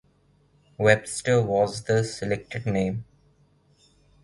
Webster was the selected name.